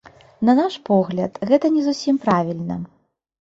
На наш погляд, гэта не зусім правільна.